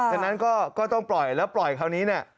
ฉะนั้นก็ต้องปล่อยแล้วปล่อยคราวนี้เนี่ย